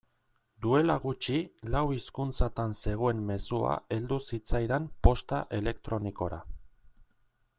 Duela gutxi lau hizkuntzatan zegoen mezua heldu zitzaidan posta elektronikora.